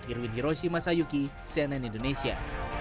irwin hiroshi masayuki cnn indonesia